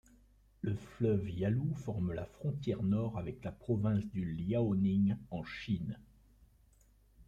Le fleuve Yalou forme la frontière nord avec la province du Liaoning en Chine.